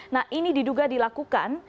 nah ini diduga dilakukan